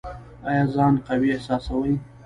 ایا ځان قوي احساسوئ؟